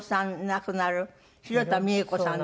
亡くなる弘田三枝子さん